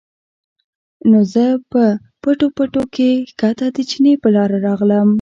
نو زۀ پۀ پټو پټو کښې ښکته د چینې پۀ لاره راغلم